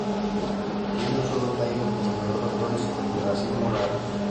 Tienen un solo tallo con numerosas flores en racimo largo.